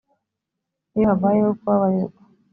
iyo habayeho kubabarirwa